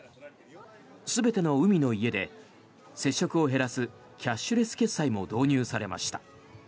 全ての海の家で接触を減らすキャッシュレス決済も導入されました。